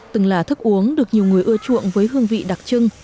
từng là thức uống được nhiều người ưa chuộng với hương vị đặc trưng